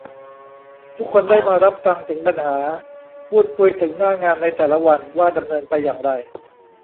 ทุกคนได้มารับฟังถึงปัญหา พูดคุยถึงหน้างานในแต่ละวันว่าดำเนินไปอย่างไร